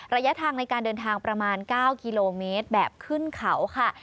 ระยะทางในการเดินทางประมาณ๙กิโลเมตรแบบขึ้นเขาค่ะ